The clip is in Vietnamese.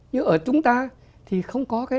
nhưng ở chúng ta thì không có